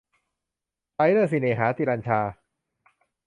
สายเลือดสิเน่หา - ฌรัณฌา